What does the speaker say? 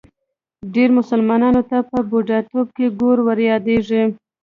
ډېری مسلمانانو ته په بوډاتوب کې ګور وریادېږي.